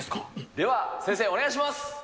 では、先生、お願いします。